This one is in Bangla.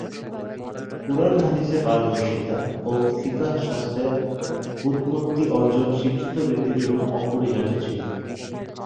কুরআন-হাদীসে পারদর্শিতা ও ফিক্হশাস্ত্রে বুৎপত্তি অর্জন শিক্ষিত ব্যক্তির জন্য অপরিহার্য ছিল।